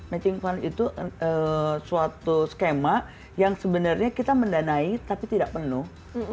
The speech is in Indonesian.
matching fund itu suatu skema yang sebenarnya kita mendanai tapi tidak penuh